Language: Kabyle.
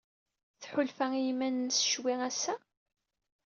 Tḥulfa i yiman-nnes ccwi ass-a?